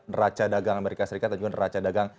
neraca dagang amerika serikat dan juga neraca dagang